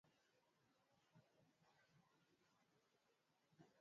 Kwa mfano hatua za kupunguza kaboni nyeusi huathiri badiliko la hali ya